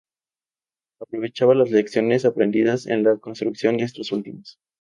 Aprovechaba las lecciones aprendidas de la construcción de estos últimos.